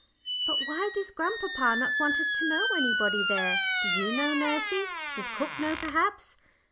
"But why does grandpapa not want us to know anybody there do you know, nursey? Does cook know, perhaps?"